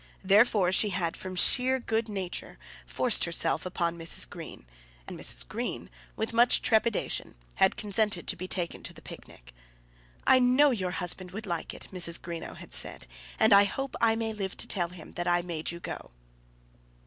Therefore she had, from sheer good nature, forced herself upon Mrs. Green, and Mrs. Green, with much trepidation, had consented to be taken to the picnic. "I know your husband would like it," Mrs. Greenow had said, "and I hope I may live to tell him that I made you go."